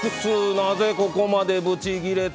なぜここまでブチキレた？